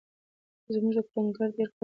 زموږ کروندګر ډېر کاري ځواک او همت لري.